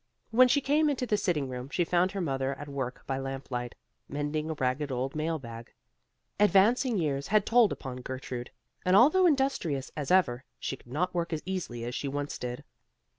When she came into the sitting room she found her mother at work by lamp light, mending a ragged old mail bag. Advancing years had told upon Gertrude; and although industrious as ever, she could not work as easily as she once did.